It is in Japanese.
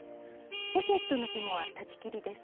ポシェットのひもは裁ち切りです。